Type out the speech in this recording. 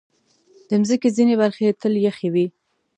د مځکې ځینې برخې تل یخې وي.